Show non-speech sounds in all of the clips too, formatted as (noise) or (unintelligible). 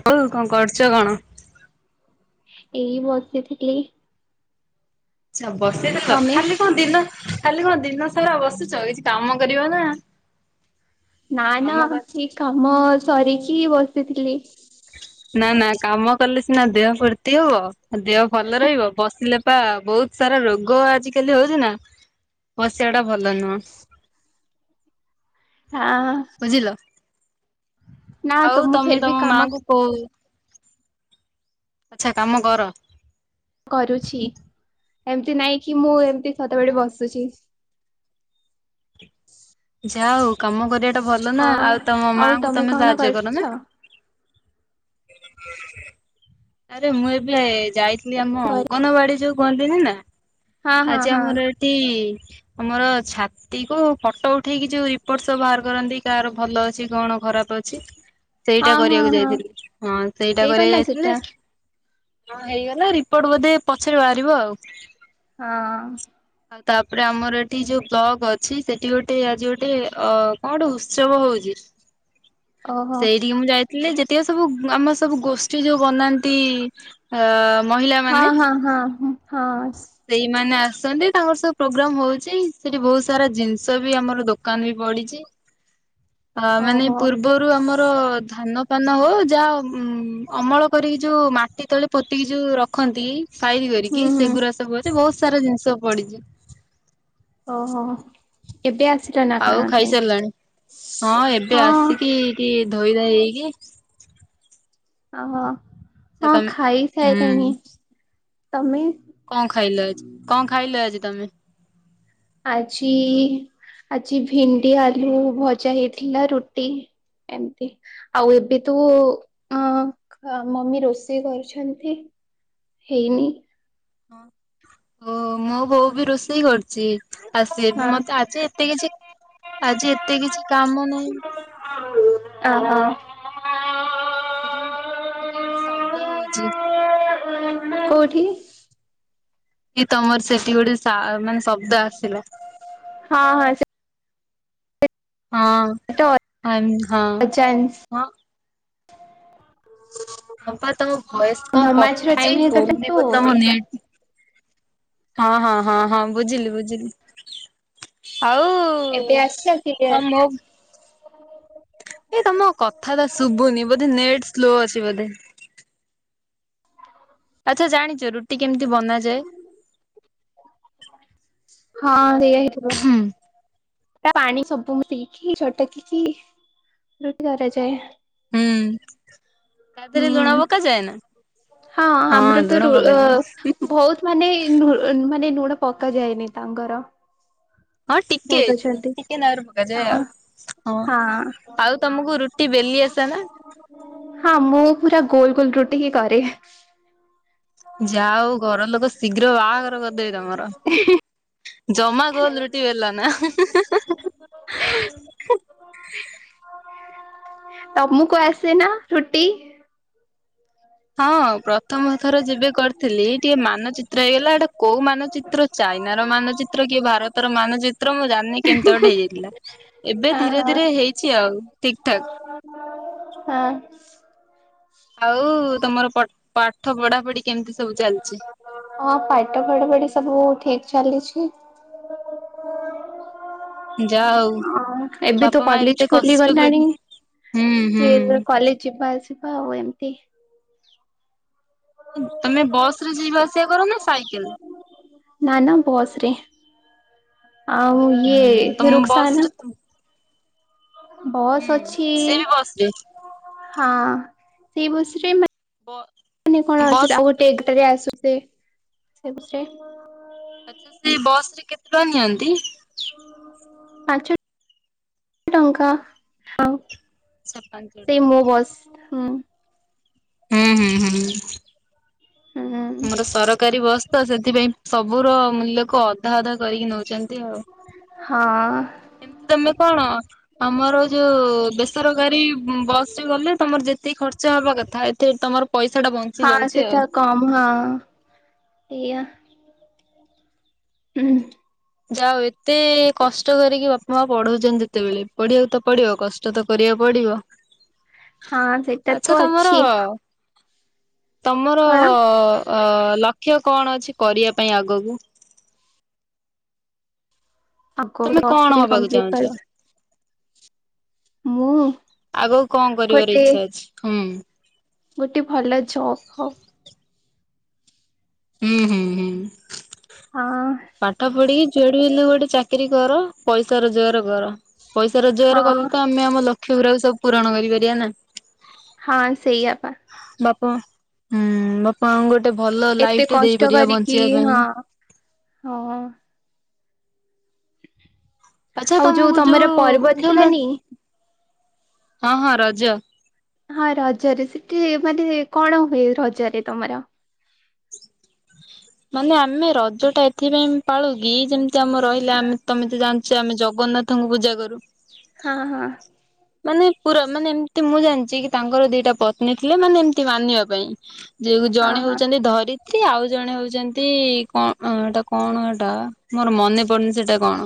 ହଉ କଣ କରୁଛ କଣ? ଏଇ ବସିଥିଲି। ନା ବସେଇ ଦେଖ ତମେ? ଖାଲି ଦିନ ସ ର ଖାଲି କଣ ଦିନ ସାରା ବସୁଛ କିଛି କାମ କରିବ ନା। ନ କାମ ନା ଇ କାମଲ ସରିକି ବସିଥିଲି। ନା ନା କାମ କଲେ ସିନା ଦେହ ଫୁର୍ତ୍ତି ହବ। ଦେହ ଭଲ ରହିବ ବସିଲେ ପା ବହୁତ ସାରା ରୋଗ ଆଜିକାଲି ହଉଛି ନା। ସେଇଟା ଭଲ ନୁହଁ। ହଁ ବୁଝିଲ ନା ତମଁ ଫେର ବି କାମ ଆଛା କାମ କର। କରୁଛି ଏମତି ନାଇଁ କି ମୁଁ ଏମ୍ ସତେବେଳେ ବସୁଛି। ଯାହଉ କାମ କରିବା ଟା ଭଲ ନା ହଁ ଆଉ ତମ ଆଉ ମାଙ୍କୁ ତମେ କଣ ସାହାଯ୍ୟ କର କରୁଛ? ନା? ଆରେ ମୁଁ ଏବେ ଯାଇଥି ଆମ ଅଙ୍ଗନବାଡି ଯୋଉ କୁହନ୍ତିନି ନା। ହଁ ହଁ ଆଜି ହଁ ଆମର ଏଠି ଆମର ଛାତିକୁ ଫଟୋ ଉଠେଇକି ଯୋଉ ରିପୋର୍ଟ ସବୁ ବାହାର କରନ୍ତି କାହାର ଭଲ ଅଛି କଣ ଖରାପ ଅଛି? ସେଇଟା ହଁ ହଁ କରିବାକୁ ହଁ ଯାଇଥିଲି ହଁ ସେଇଟା ହେଇଗଲା କରିବାକୁ ସେଟା ଯାଇଥିଲି। ହଁ ହେଇଗଲା ରିପୋର୍ଟ ବୋଧେ ପଛରେ ବାହାରିବ ଆଉ। ହଁ। ଆଉ ତାପରେ ଆମର ଏଠି ଯୋଉ କ୍ଲବ ଅଛି ସେଠି ଗୋଟେ ଆଜି ଗୋଟେ ଅ କଣ ଗୋଟେ ଉତ୍ସବ ହୋଉଚି। ଓହୋ ସେଇଠିକି ମୁଁ ଯାଇ ହେଲେ ଯେତିକ ସବୁ ଆମ ସବୁ ଗୋଷ୍ଠୀ ଯୋଉ ବନାନ୍ତି ଅ ମହିଳା ହଁ ମାନେ ହଁ ହଁ ହୁଁ ହଁ ସ ମାନେ ଆସନ୍ତି ତାଙ୍କର ସବୁ ପ୍ରୋଗ୍ରାମ ହୋଉଛି ସେଠି ବୋହୁତ ସାରା ଜିନିଷ ବି ଆମର ଦୋକାନ ବି ପଡିଚ। ଅ ମାନେ ଓହୋ ପୂର୍ବରୁ ଆମର ଧାନ ଧାନ ହୋଉ ଯାହା ଉମ୍ ଅମଳ କରିକି ଯୋଉ ମାଟି ତଳେ ପୋତିକି ଯୋଉ ରଖନ୍ତି। ସାଇଜି କରିକି ହୁଁ ହୁଁ ସେଗୁରା ସବୁ ସାରା ଜିନିଷ ପଡିଚି। ଓହୋ କେବେ ଆସ ଆଉ ଖାଇସାରିଲାଣି ହଁ ଏବେ ଆସିକି କି ଟିକେ ଧୋଇଧାଇ ହେଇକି ଓହୋ। ହଁ ତମେ ଖାଇ ହୁଁ ସାଇଲିଣି। ତମେ କଣ ଖାଇଲ ଆଜି କଣ ଖାଇଲ ଆଜି ତମେ? ଆଜି ଆଜି ଭେଣ୍ଡି ଆଲୁ ଭଜା ହେଇଥିଲା ରୁଟି ଏମିତି ଆଉ ଏବେ ତ ଅ ମମି ରୋଷେଇ କରୁଚନ୍ତି ହେଇନି। ହଁ ଓ ମୋ ବୋଉ ବି ରୋଷେଇ କରୁ ଚି ଆଉ ସେ ବି ହଁ ମତେ ଆଜି ଏତେ କିଛି ଆଜି ଏତେ କିଛି କାମ ନାହିଁ। ଓହୋ। (unintelligible) ସେଠି ଗୋଟେ ସେଠି ଗୋଟେ ଶବ୍ଦ ହୋଉଚି। କୋଉଠି? କି ତମର ସେଠି ଗୋଟେ ସା ମାନେ ଶବ୍ଦ ଆସିଲା। ହଁ ହଁ ସେ ହଁ ଆମ୍ ହଁ ଅଜାନ୍ସ ହଁ। ହଁ ବା ତମ ଭ‌ଏସ୍ କଣ ନମାଜର କଟୁଛି ଟାଇମ ହେଇଗଲା ହୋଉନି ତ ବୋଧେ ତମ ସେଇଟା ନେଟ୍ ହଁ ହଁ ହଁ ହଁ ବୁଝିଲି ବୁଝି ଲି ଆଉ ଏବେ ଆସିଲା କ୍ଲିୟର ଆଉ ମୋ। ଏ ତମ କଥାଟ ଶୁଭୁନି ବୋଧେ ନେଟ ସ୍ଲୋ ଅଛି। ବୋଧେ। ସବୁ ଜାଣିଛ ରୁଟି। କେମିତି ବନାଯାଏ। ହଁ। ସେଇଆ ହୁଁ ହେଇଥିବ। ପାଣି ସବୁ ମୁ ପିଇକି ଛଟକିକି ରୁଟି କରାଯାଏ। (unintelligible) ତା ଦେହରେ ଲୁଣ ହୁଁ ପକାଯାଏ ନା ହଁ ଆମର ତ ଲୁଣ ପକାଯାଏ ବହୁତ ମାନେ ମାନେ ଗୁଣ ପକା ଯାଇଏନି ତାଙ୍କର। ହଁ ଟିକେ ବହୁତ ଅଛନ୍ତି ଟିକେ ନାରୁ ପକାଯାଏ ହଁ ଆଉ ହଁ ଆଉ ତମକୁ ରୁଟି ବେଲି ଆସ ନା। ହଁ ମୁଁ ପୁରା ଗୋଲ ଗୋଲ ରୁଟି ହି କରେ। ଯାହାହୋଉ ଘର ଲୋକ। ଶୀଘ୍ର ବାହାଘର କରିଦେବେ ତମର ଜମା ଗୋଲ ରୁଟି ବେଲନା। ତମକୁ ଆସେ ନା ରୁଟି। ହଁ। ତମ ଥର ଯେବେ କରିଥିଲି ଟିକେ ମାନଚିତ୍ର ହେଇଗଲା ଏଟା କୋଉ ମାନଚିତ୍ର ଚାଇନାର ମାନଚିତ୍ର କିଏ ଭାରତର ମାନଚିତ୍ର ମୁଁ ଜାଣିନି କେମିତି ଗୋଟେ ହେଇଯାଇଥିଲା ଏବେ ହଁ ଧୀରେ ହଁ ଧୀରେ ହେଇଛି ଆଉ ଠିକ ଠାକ। ହଁ। ଆଉ ତମର ପଟ ପାଟ ଭଢା ଭଢ଼ି। ହଁ ପଠା ପଢା ପଢି ସବୁ ଠିକ ଚାଲିଛି। ଯାହା ହଉ (unintelligible) ଅ ଏବେ ବାପା ତ ମା ଏତେ କଲେଜ କଷ୍ଟ କରି ଖୋଲିଗଲାଣି ହୁଁ ଫ ହୁଁ କଲେଜ ଯିବା ଆସିବା। ହଉ ଏମିତି। ତମେ ବସ ରେ ଯିବା ଆସିବା କର ନା ସାଇକେଲ। ନାନା ବସରେ। ଆଉ ହୁଁ ଇଏ ତମ ବସ ରୁଖସାନା ରେ । ହୁଁ ବସ୍ ଅଛି ସେ ବି ବସ ରେ ହଁ। ସେଇ ବସରେ ମା ମାନେ କଣ ଆସ ବସ୍ ଆଉ ଗୋଟେ ଏଗଟରେ ଆସୁ। ସେ ସେୁଷରେ। (inaudible) ଆଚଛା ସେ ବସ ରେ କେତେ। ନିଅନ୍ତି। ପାଞ୍ଚ ଟଙ୍କା ହଁ। ସାତ ପାଞ୍ଚ ସେଇ ଟଙ୍କା। ମୋ ବସ୍ ହୁଁ। ହୁଁ ହୁଁ ହୁଁ। ହୁଁ ଆମର ସର କାରି ବସ୍ ସେଥିପାଇଁ ସବୁର ମୂଲ୍ୟକୁ ଅଧା ଅଧା କରିକି ନଉଚନ୍ତି ଆଉ ହଁ ତମେ କଣ ଆମର ଯୋଉ ବେସରକାରୀ ବସ ରେ ଗଲେ ତମର ଯେତିକି ଖର୍ଚ୍ଚ ହବା କଥା ଏଥିରେ ତମର ପଇସା ଟା ବଞ୍ଚି ହଁ ଯାଉଛି ଆଉ। ଆଜ୍ଞା। ହୁଁ। ଯାାଉ ଏତେ କଷ୍ଟ କରିକି ବାପା ମା ପଢଉଛନ୍ତି ଯେତେବେଳେ ପଢିବାକୁ ତ ପଡିବ କଷ୍ଟ ତ କରିବାକୁ ପଡିବ। ହଁ ସେଇଟା ଆଚ୍ଛା ତ ତମର ଅଛି। ତମର କଣ ଅ ଲକ୍ଷ୍ୟ କଣ ଅଛି କରିବା ପାଇଁ ଆଗକୁ? ଆଗେ ତମେ ପଲ୍ କଣ ଟୁ ହବାକୁ କମ୍ପ୍ଲିଲିଟ୍ ଚାହୁଁଛ? କରେ। ଆଗକୁ କଣ କରିବାର ଗୋଟେ ଇଚ୍ଛା ଅଛି ହୁଁ। ଗୋଟେ ଭଲ ଜବ୍ ଫବ ହୁଁ ହୁଁ ହୁଁ। ହଁ ପାଠ ପଢିକି ଯୋଉଠି ହେଲେ ଗୋଟେ ଚାକିରୀ କର ପଇସା ରୋଜଗାର କର। ପଇସା ରୋଜଗାର ହଁ କଲେ ତ ଆମେ ଆମ ଲକ୍ଷ୍ୟରକୁ ସବୁ ପୂରଣ କରିପାରିବା ନା। ହଁ ସେଇଆ। ପା ବାପା ହୁଁ ବାପାଙ୍କୁ ଗୋଟେ ଭଲ ଲାଇଫ ଏତେ ଟେ କଷ୍ଟ ଦେଇପାରିବା କରିକି ବଞ୍ଚିବା ପାଇଁ ହଁ ହଁ। ଆଚ୍ଛା ଆଉ ଯୋଉ ତମକୁ ତମର ପର୍ବ ଯୋଉ ମା ଥିଲାନି। ହଁ ହଁ ରଜ। ହଁ ରଜରେ ସେଠି ମାନେ କଣ ହୁଏ ରଜରେ ତମର? ମାନେ ଆମେ ରଜ ଟା ଏଥିପାଇଁ ପାଳୁ କିି ଯେମତି ଆମ ରହିଲା ଆମେ ତମେ ତ ଜାଣି ଯେ ଆମେ ଜଗନ୍ନାଥଙ୍କୁ ପୂଜା କରୁ। ହଁ ହଁ। ମାନେ ପୁରା ମାନେ ଏମତି ମୁଁ ଜାଣିଛି କି ତାଙ୍କର ଦିଟା ପତ୍ନୀ ଥିଲେ ମାନେ ଏମତି ମାନିବା ପାଇଁ। ଯଉ ହଁ ଜଣେ ହଁ ହଉଛନ୍ତି ଧରିତ୍ରୀ ଆଉ ଜଣେ ହଉ ଚନ୍ତି ଯେମତି କଣ ଏଇଟା କଣ ଏଇଟା ମୋର ମନେ ପଡୁନି ସେଟା କଣ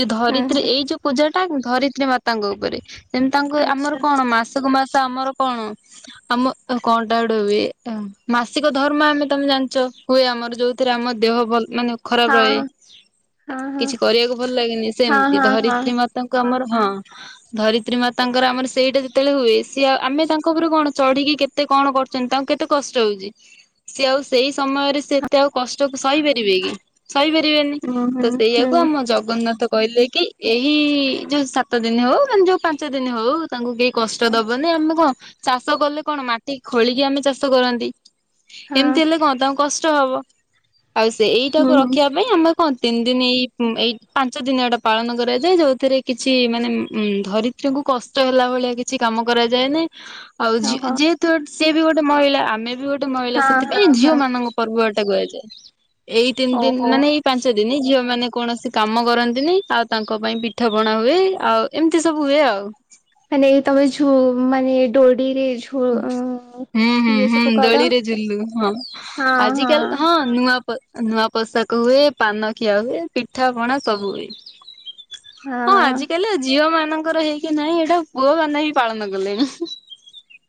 ଯଉ ହୁଁ ଧରିତ୍ରୀ ହୁଁ ଏଇ ଯୋଉ ପୂଜା ତା ଧରିତ୍ରୀ ମାତାଙ୍କ ଉପରେ ସେମ ତାଙ୍କୁ ଆମର ଆଚ୍ଛା କଣ ମାସକୁ ମାସ ତ ଆମର କଣ ଆମ କଣଟା ଗୋଟେ ହୁଏ ମାସିକ ଧର୍ମ ଆମେ ତମେ ଜାଣିଛ ହୁଏ ଆମର ଯୋଉ ଥିରେ ଆମ ଦେହ ଭଲ ମାନେ ଖରାପ ରହେ ହଁ ହଁ ହଁ। କିଛି କରିବାକୁ ଭଲ ଲାଗେନି ହଁ ସେମିତି ହଁ ହଁ ଧରିତ୍ରୀ ମାତାଙ୍କୁ ଆମର ହାଁ ଧରିତ୍ରୀ ମାତାଙ୍କର ଆମର ସେଇଟା ଯେତେବେଳେ ହୁଏ ସିଏ ଆଉ ଆମେ ତାଙ୍କ ଉପରୁ କଣ ଚଢ଼ିକି କେତେ କଣ କରୁଛନ୍ତି ତାଙ୍କୁ କେତେ କଷ୍ଟ ହଉଛି ସିଏ ଆଉ ସେଇ ସମୟରେ ସେ ତେ ଆଉ କଷ୍ଟ ସହି ପାରିବେ କି? ସହି ପାରିବେନି ହୁଁ ହୁଁ ତ ସେଇଆ ହୁଁ କୁ ଆମ ଜଗନ୍ନାଥ କହିଲେ କି ଏଇ ଯୋଉ ସାତ ଦିନ ହଉ ବା ଯୋଉ ପାଞ୍ଚ ଦିନ ହଉ ତାଙ୍କୁ କେହି କଷ୍ଟ ଦବନି ଆମେ କଣ ଚାଷ କଲେ କଣ ମାଟି ଖୋଳିକି ଆମେ ଚାଷ କରନ୍ତି। ହଁ ଏମିତି ହେଲେ କଣ ତାଙ୍କୁ କଷ ଷ୍ଟ ହବ। ଆଉ ସେ ହୁଁ ଏଇଟାକୁ ହୁଁ। ରଖିବା ପାଇଁ ଆମେ କଣ ତିନି ଦିନ ଏଇ ଏଇ ପାଞ୍ଚ ଦିନଟା ପାଳନ କରାଯାଏ ଯୋଉଥିରେ କିଛି ମାନେ ଉ ଧରିତ୍ରୀଙ୍କୁ କଷ୍ଟ ହେଲା ଭଳିଆ କିଛି କାମ କରାଯାଏ ନି ଆଉ ଜି ଓହୋ ଯେହେତୁ ସେ ବି ଗୋଟେ ମହିଳା ଆମେ ବି ଗୋଟେ ମହିଳା ହଁ ହଁ ସେଥିପାଇଁ ହଁ ଝିଅ ମାନଙ୍କ ପର୍ବ କୁହାଯାଏ। ଏଇ ତିନି ଦିନ ଓହୋ। ମାନେ ଏଇ ପାଞ୍ଚ ଦିନ ଝିଅ ମାନେ କଣ ସେ କାମ କରନ୍ତି ନି ଆଉ ତାଙ୍କ ପାଇଁ ପିଠା ପଣା ହୁଏ ଆଉ ଏମିତି ସବୁ ହୁଏ ଆଉ। ମାନେ ତମେ ଯୋଉ ମାନେ ଦଉଡ଼ିରେ ହୁଁ ହୁଁ ହୁଁ କର ଦୋଳିରେ ଝୁଲୁ ହଁ ଆଜିିକାଲି ହଁ ନୂଆ ପ ନୂଆ ପୋଷାକ ହୁଏ ପାନ ଖିଆ ହୁଏ ପିଠା ପଣା ସବୁ ହୁଏ। ହଁ ହଁ ଆଜିକାଲି ଝିଅ ମାନଙ୍କ ତାଙ୍କର ହେଇକି ନାଇଁ ଏଇଟା ପୁଅମାନେ ହିଁ ପାଳନ କଲେଣି।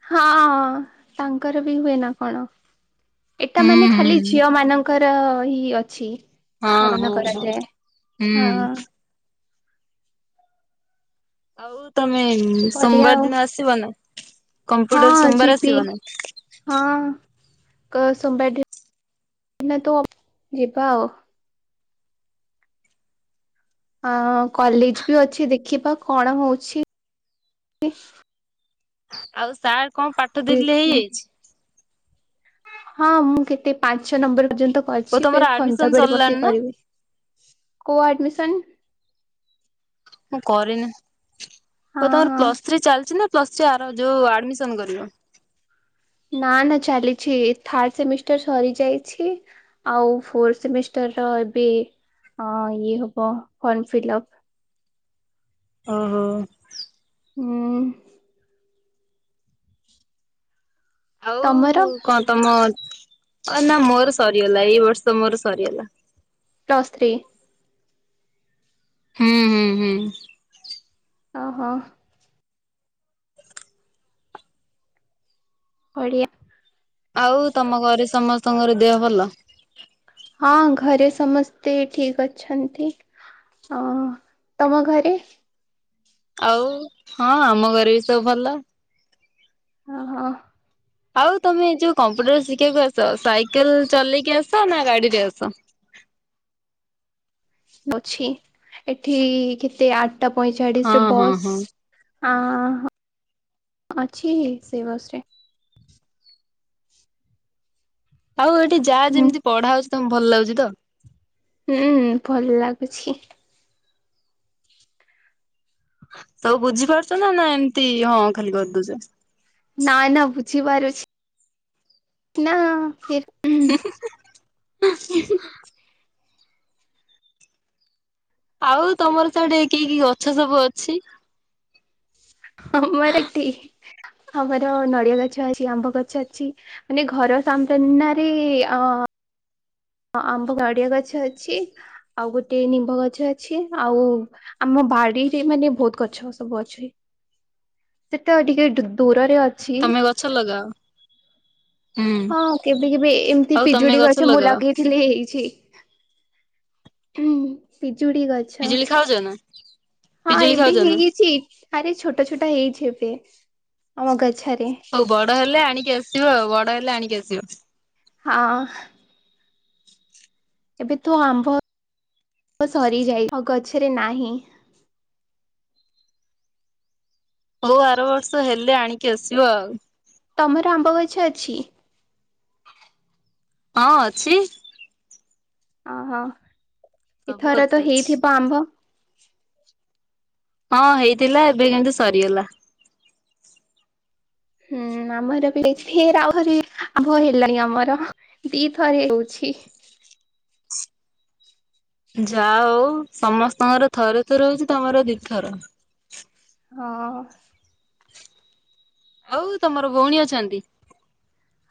ହଁ ହଁ ତାଙ୍କର ବି ହୁଏ ନା କଣ। ଏଟା ହୁଁ ମାନେ ଖାଲି ହୁଁ। ଝିଅ ମାନଙ୍କର ଦହି ଅଛି। ହଁ ପାଳନ ହଁ ହଁ କରାଯାଏ ହୁଁ। ହଁ ଆଉ ତମ୍ ମେମ୍ ବଢିଆ ସୋମବାର ଆଉ ଦିନ ଆସିବ ନା। ହଁ କମ୍ପ୍ୟୁଟର ସୋମବାର ଯିବି ଆସିବ ନା? ହଁ। କ ସୋମବାର ଦିନ ତ ଯିବା ଆଉ। ଆ କଲେଜ ବି ଅଛି ଦେଖିବା କଣ ହଉଛି। ଆଉ ସାର୍ କଣ ପାଠ ଦେଇଥିଲେ ହେଇଯାଇଛି। ହଁ ମୁଁ କେତେ ପାଞ୍ଚ ନମ୍ବର ପର୍ଯ୍ୟନ୍ତ ଓ କରିଛି ତମର ଫେର୍ ଆଡମିସନ ସନ୍ଧ୍ୟା ବେଳେ ବସିକି ସରିଲାଣି ନା? କରିବି ।କୋଉ ଆଡମିସନ୍? ମୁଁ କରିନି। ହଁ ତ ତୋମର ହଁ ପ୍ଲସ୍ ଥ୍ରୀ ଚାଲିଛି ନା ପ୍ଲୁ୍ସ ଥ୍ରୀ ଆର ଯୋଉ ଆଡମିସନ୍ କରିବ? ନା ନା ଚାଲିଛି ଏ ଥାର୍ଡ ସେମିଷ୍ଟାର୍ ସରି ଯାଇଛି, ଆଉ ଫୋର ସେମିଷ୍ଟାର୍ ର ଏବେ ଅଁ, ଇଏ ହବ ଫର୍ମ ଫିଲଫ୍। ଓ ହୋ ହୁଁ, ଆଉ ତମର କଣ ତୋମ ଅ-ନା ମୋର ସରିଗଲା, ଏଇ ବର୍ଷ ମୋର ସରିଗଲା। ପ୍ଲସ୍ ଥ୍ରୀ ହୁଁ, ହୁଁ, ହୁଁ। ଓ ହୋ। ଓଡ଼ିଆ ତୋମର ଦେହ ଭଲ ହଁ ଘରେ ସମସ୍ତେ ଠିକ ଅଛନ୍ତି। ଅ, ତୋମ ଘରେ? ଆଉ ହଁ ଆମ ଘରେ ବି ସବୁ ଭଲ। ଓ ହୋ। ଆଉ ତୋମେ ଯୋଉ କମ୍ପ୍ୟୁଟର ଶିଖିବାକୁ ଆସ ସାଇକେଲ ଚଲେଇକି ଆସ ନା ଗାଡି ରେ ଆସ? ଅଛି ଏଠି କେତେ ଆ ଟା ପଇଁଚାଡିଶ ହଁ ରେ ହଁ ବସ୍ ହଁ ଅଁ, ହଁ ଅଛି ସେ ବସ୍ ରେ। ଆଉ ଏଠି ଯା ହୁଁ। ଯେମତି ପଢାଉ ତୋମ ଭଲ ଲାଗୁଛି ତ? ହୁଁ ଭଲ ଲାଗୁଛି। ସବୁ ବୁଝିପାରୁଚ ନା ନା ଏମତି ହଁ ଖାଲି କରିଦଉଚ। ବୁଝିବାରୁଛି ନା ଫିର ଆଉ ତୋମର ସିଆଡେ କି କି ଗଛ ସବୁ ଅଛି? ଆମର ଏଠି ଆମର ନଡିଆ ଗଛ ଅଛି, ଆମ୍ବ ଗଛ ଅଛି ମାନେ ଘର ସାମଦନାରେ ଅ, ଅଁ, ଆମ୍ବ ନଡିଆ ଗଛ ଅଛି ଆଉ ଗୋଟେ ନିମ୍ବ ଗଛ ଅଛି ଆଉ ଆମ ବାଡିରେ ମାନେ ବହୁତ ଗଛ ସବୁ ଅଛି ସେଟା ଟିକେ ଡୁ ଦୂରରେ ଅ ତୋମେ ଗଛ ଲଗାଅ? ହୁଁ ହଁ କେବେ କେବେ ଏମିତି ଆଉ ତମେ ପିଜୁଡି ଗଛ ମୁଁ ଲଗାଅ ଲଗେଇଥିଲି ହେଇଛି। ଉଁ, ହୁଁ, ପି ଜୁଳି ଗଛ ପିଜୁଳି ଖାଉଛ ନା ହଁ ପିଜୁଳି ଏବେ ଖାଉଛ ନା? ହେଇଛି ଥରେ ଛୋଟ ଛୋଟ ହେଇଛି ଏବେ ଆମ ଗଛର ହଉ ବଡ ହେଲେ ଆଣିକି ଆସିବ ଆଉ, ବଡ ହେଲେ ଆଣିକି ଆସିବ। ହଁ। ଏବେ ତୁ ଆମ୍ବ ସରିଯାଇ ଆ ଗଛରେ ନାହିଁ ହଉ ଆର ବର୍ଷ ହେଲେ ଆଣିକି ଆସିବ ଆଉ ତମର ଆମ୍ବ ଗଛ ଅଛି। ହଁ ଅଛି। ଓ ହୋ। ସବୁ ଏଥର ଗଛ ତ ଅଛି। ହେଇଥିବ ଆମ୍ବ। (unintelligible) ହଁ ହେଇଥିଲା ଏବେ କିନ୍ତୁ ସରିଗଲା। ହୁଁ ଆମର ବି ଯାଇ ଫିର ଆହୁରି ଆଭ ହେଲାଣି ଆମର ଦିଥରେ ହେଉଛି। ଯା ହଉ ସମସ୍ତଙ୍କର ଥରେ ଥରେ ହଉଛି ତମର ଦୁଇଥର। ହଁ। ଆଉ ତମର ଭଉଣୀ ଅଛନ୍ତି।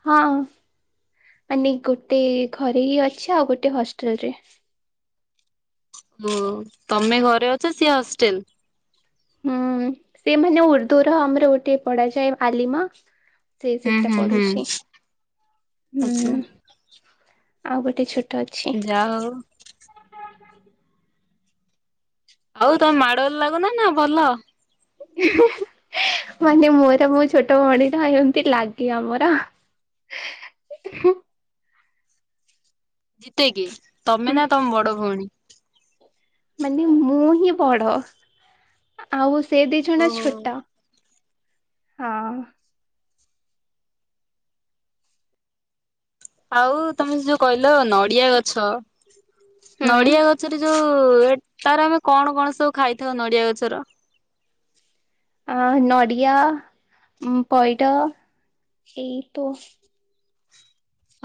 ହଁ ମାନେ ଗୋଟେ ଘରେ ହିଁ ଅଛି ଆଉ ଗୋଟେ ହଷ୍ଟେଲରେ। ଓ ତମେ ଘରେ ଅଛ ସିଏ ହଷ୍ଟେଲ। ହୁଁ ସେମାନେ ଉର୍ଦ୍ଦ ର ଆମର ଗୋଟେ ପଢାଯାଏ ଆଲିମା ସେ ହୁଁ ସେଟା ହୁଁ ହୁଁ ପଢୁଛି ଆଛା ହୁଁ। ଆଉ ଗୋଟେ ଛୋଟ ଅଛି ଯାହା ହଉ। (unintelligible) ଆଉ ତମ ମାଡଗୋଳ ଲାଗୁନ ନା ଭଲ । ମାନେ ମୋର ମୋ ଛୋଟ ଭଣୀ ଟ ଏମିତି ଲାଗେ ଆମର। ଜିତେ କିଏ? ତମେ ନା ତମ ବଡ ଭଉଣୀ। ମାନେ ମୁଁ ହିଁ ବଡ ଆଉ ସେ ଦି ଜଣ ଓହୋ ଛୋଟ। ହଁ। ଆଉ ତମେ ଯୋଉ କହିଲ ନଡିଆ ଗଛ ହୁଁ ନଡିଆ ଗଛରେ ଯୋଉ ଉ ତାର ଆମେ କଣ କଣ ସବୁ ଖାଇଥାଉ ନଡିଆ ଗଛର ଆ ନଡ଼ିଆ ପଇଡ ଏଇ ତୋ